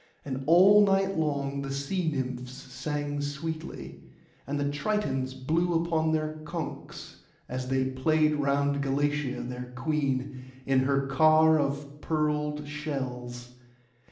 And all night long the sea nymphs sang sweetly, and the Tritons blew upon their conchs, as they played round Galatæa their queen, in her car of pearled shells.